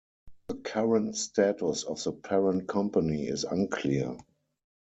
The current status of the parent company is unclear.